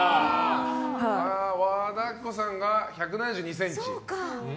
和田アキ子さんが１７２ｃｍ。